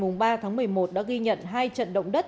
ngày ba tháng một mươi một đã ghi nhận hai trận động đất